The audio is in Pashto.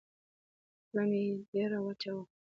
خوله مې ډېره وچه وه.